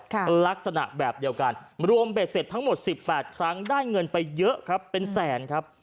ลักษณะแบบเดียวกันรวมเบ็ดเสร็จทั้งหมดสิบแปดครั้งได้เงินไปเยอะครับเป็นแสนครับ